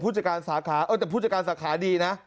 จัดการสาขาแต่ผู้จัดการสาขาดีนะ